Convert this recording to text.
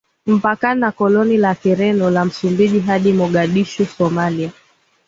mpakani na koloni la Kireno la Msumbiji hadi Mogadishu Somalia